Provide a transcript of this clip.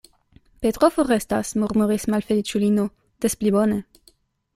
Petro forestas, murmuris la malfeliĉulino; des pli bone.